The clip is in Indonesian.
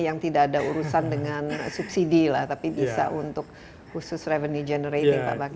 yang tidak ada urusan dengan subsidi lah tapi bisa untuk khusus revenue generating pak bakar